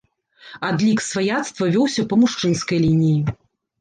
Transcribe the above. Адлік сваяцтва вёўся па мужчынскай лініі.